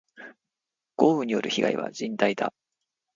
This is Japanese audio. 豪雨による被害は甚大だ。